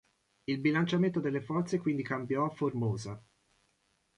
Il bilanciamento delle forze quindi cambiò a Formosa.